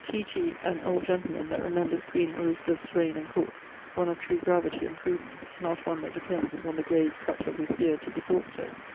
T., an old gentleman that remembers Queen Elizabeth's raigne and court, one of true gravity and prudence, not one that depends upon the grave cutt of his beard to be thought so.